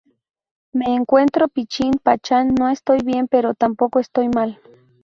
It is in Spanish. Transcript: Me encuentro pichín pachán, no estoy bien pero tampoco estoy mal